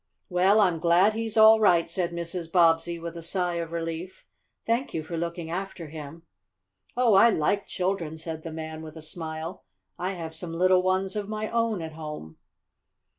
"Well, I'm glad he's all right," said Mrs. Bobbsey with a sigh of relief. "Thank you for looking after him." "Oh, I like children," said the man with a smile. "I have some little ones of my own at home."